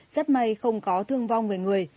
rất may không có thương vong người người